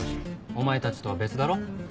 お前たちとは別だろ？